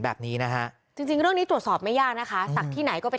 แบบนี้นะฮะจริงจริงเรื่องนี้ตรวจสอบไม่ยากนะคะศักดิ์ที่ไหนก็เป็น